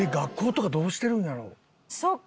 そっか。